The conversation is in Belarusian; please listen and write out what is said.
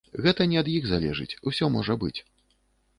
Гэта не ад іх залежыць, усё можа быць.